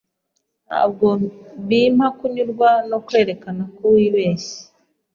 Ntabwo bimpa kunyurwa no kwerekana ko wibeshye.